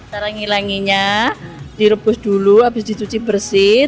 cara menghilanginya direbus dulu abis dituci bersih